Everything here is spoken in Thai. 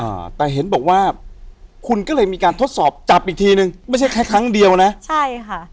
อ่าแต่เห็นบอกว่าคุณก็เลยมีการทดสอบจับอีกทีนึงไม่ใช่แค่ครั้งเดียวนะใช่ค่ะ